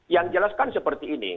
yang jelaskan seperti ini